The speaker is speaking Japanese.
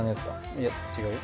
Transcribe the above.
いや違うよ。